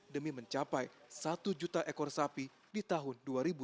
demi mencapai satu juta ekor sapi di tahun dua ribu dua puluh